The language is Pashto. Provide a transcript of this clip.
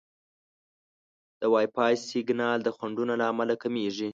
د وائی فای سیګنال د خنډونو له امله کمېږي.